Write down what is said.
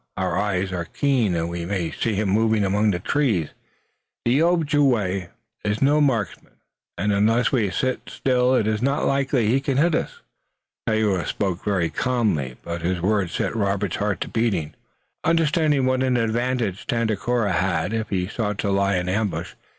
Our eyes are keen, and we may see him moving among the trees. The Ojibway is no marksman, and unless we sit still it is not likely that he can hit us." Tayoga spoke very calmly, but his words set Robert's heart to beating, understanding what an advantage Tandakora had if he sought to lie in ambush.